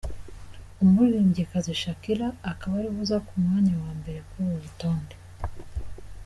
Umuririmbyikazi Shakira akaba ariwe uza ku mwanya wa mbere kuri uru rutonde.